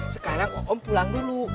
sekarang oom pulang dulu